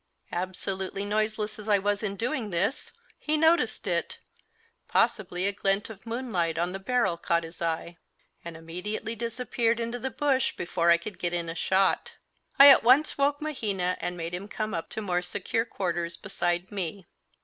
Absolutely noiseless as I was in doing this, he noticed it possibly a glint of moonlight on the barrel caught his eye and immediately disappeared into the bush before I could get in a shot. I at once woke Mahina and made him come up to more secure quarters beside me.